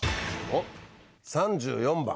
おっ３４番。